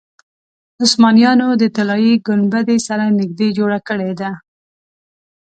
عثمانیانو د طلایي ګنبدې سره نږدې جوړه کړې ده.